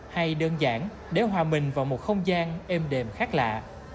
hay đơn giản để hòa mình vào một không gian êm đềm khác lạ